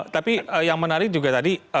tapi yang menarik juga tadi